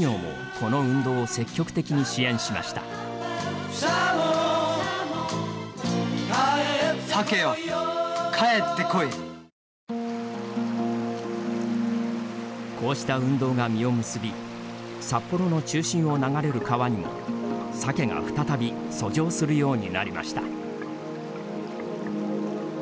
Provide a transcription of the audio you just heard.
こうした運動が実を結び札幌の中心を流れる川にもサケが再び遡上するようになりました。